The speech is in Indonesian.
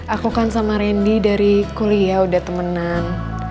aku kan sama randy dari kuliah udah temenan